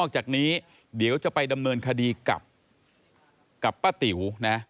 จากนี้เดี๋ยวจะไปดำเนินคดีกับป้าติ๋วนะ